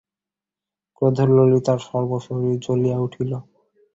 ক্রোধে ললিতার সর্বশরীর জ্বলিয়া উঠিল।